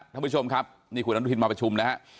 ท่านผู้ชมครับนี่คุณอนุทินมาประชุมนะฮะ